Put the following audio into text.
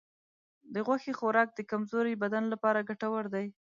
د غوښې خوراک د کمزورې بدن لپاره ګټور دی.